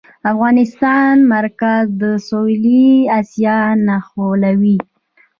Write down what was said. افغانستان مرکزي او سویلي اسیا نښلوي